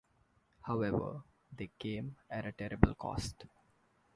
However, they came at a terrible cost.